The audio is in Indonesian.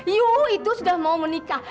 yu itu sudah mau menikah